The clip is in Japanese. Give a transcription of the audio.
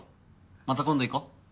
また今度行こう！